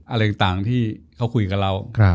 อะไรต่างที่เขาคุยกับเรา